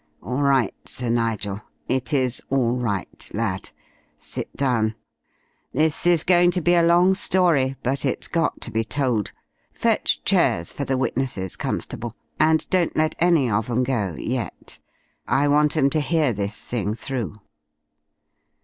All right, Sir Nigel; it is all right, lad. Sit down. This is going to be a long story, but it's got to be told. Fetch chairs for the witnesses, constable. And don't let any of 'em go yet. I want 'em to hear this thing through."